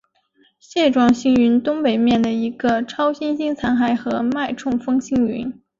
蟹状星云东北面的一个超新星残骸和脉冲风星云。